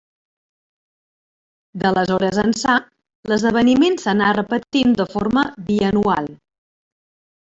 D'aleshores ençà, l'esdeveniment s'anà repetint de forma bianual.